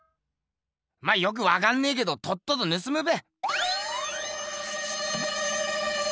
まあよくわかんねえけどとっととぬすむべ。